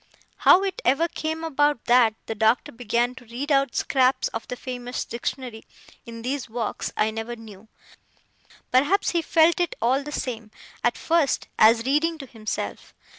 How it ever came about that the Doctor began to read out scraps of the famous Dictionary, in these walks, I never knew; perhaps he felt it all the same, at first, as reading to himself.